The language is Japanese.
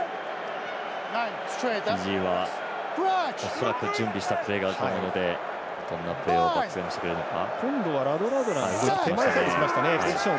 フィジーは恐らく準備したプレーがあると思うのでどんなプレーを見せてくれるのか。